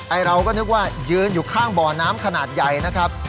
เราก็นึกว่ายืนอยู่ข้างบ่อน้ำขนาดใหญ่นะครับ